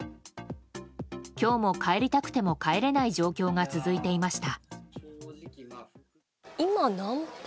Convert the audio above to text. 今日も、帰りたくても帰れない状況が続いていました。